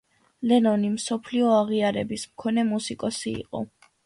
ლენონი მსოფლიო აღიარების მქონე მუსიკოსი იყო.